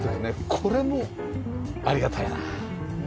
これもありがたいなあ。